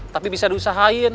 tapi bisa diusahain